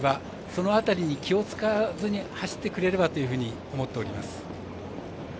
その辺りに気を使わずに走ってくれればというふうに思っております。